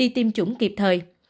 tiêm chủng kịp thời